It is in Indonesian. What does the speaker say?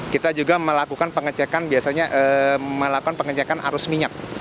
kita juga melakukan pengecekan arus minyak